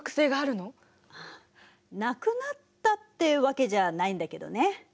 なくなったってわけじゃないんだけどね。